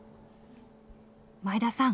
前田さん